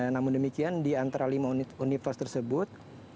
namun demikian di antara lima universitas tersebut